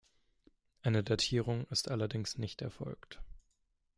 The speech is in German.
Eine Datierung ist allerdings nicht erfolgt.